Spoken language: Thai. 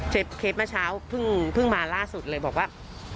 เคสเมื่อเช้าเพิ่งมาล่าสุดเลยบอกว่า